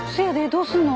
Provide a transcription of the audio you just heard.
どうすんの？